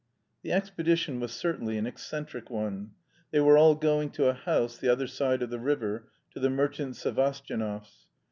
The expedition was certainly an eccentric one. They were all going to a house the other side of the river, to the merchant Sevastyanov's.